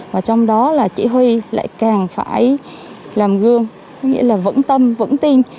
và trong đó là chỉ huy lại càng phải làm gương nghĩa là vẫn tâm vẫn tin